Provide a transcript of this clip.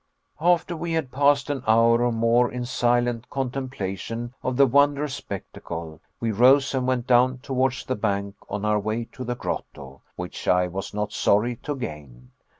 After we had passed an hour or more in silent contemplation of the wondrous spectacle, we rose and went down towards the bank on our way to the grotto, which I was not sorry to gain.